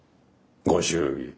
ご祝儀。